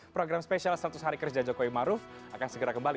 program spesial seratus hari kerja jokowi maruf akan segera kembali